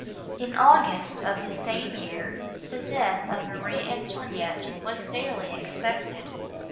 In August of the same year, the death of Marie Antoinette was daily expected.